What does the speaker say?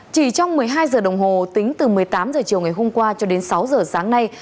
chỉ trong một mươi hai giờ đồng hồ tính từ một mươi tám h chiều ngày hôm qua cho đến sáu giờ sáng nay